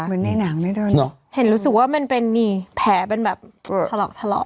เหมือนในหนังเลยเดินเหรอเห็นรู้สึกว่ามันเป็นนี่แผลเป็นแบบถลอกทะเลาะ